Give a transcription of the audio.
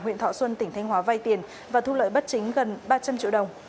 huyện thọ xuân tỉnh thanh hóa vay tiền và thu lợi bất chính gần ba trăm linh triệu đồng